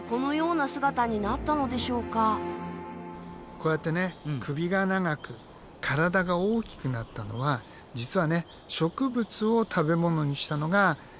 こうやってね首が長く体が大きくなったのは実はね植物を食べ物にしたのが原因なんだよね。